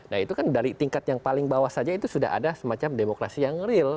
nah itu kan dari tingkat yang paling bawah saja itu sudah ada semacam demokrasi yang real